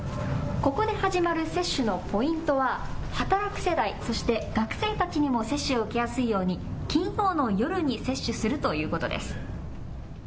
ここで始まる接種のポイントは働く世代、そして学生たちにも接種を受けやすいように金曜の夜に接種するということです。